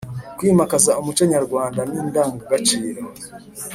kwimakaza umuco nyarwanda n’indangagaciro